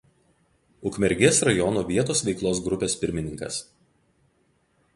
Ukmergės rajono vietos veiklos grupės pirmininkas.